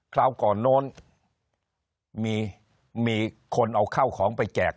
คราวก่อนโน้นมีคนเอาข้าวของไปแจก